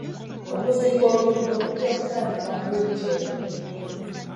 Okuzimba oluguudo kujja kutandika mu wiiki eno.